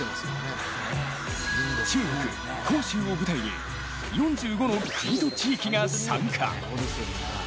中国・杭州を舞台に４５の国と地域が参加。